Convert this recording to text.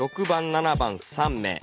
６番・７番３名。